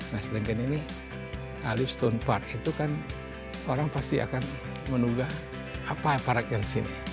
nah sedangkan ini alif stone park itu kan orang pasti akan menunggu apa park yang disini